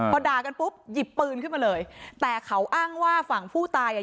พอด่ากันปุ๊บหยิบปืนขึ้นมาเลยแต่เขาอ้างว่าฝั่งผู้ตายอ่ะ